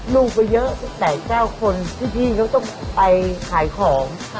ลูกก็เยอะตั้งแต่๙คนที่พี่เขาต้องไปขายของ